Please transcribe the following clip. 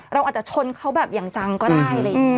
เราอาจจะชนเขาแบบอย่างจังก็ได้เลย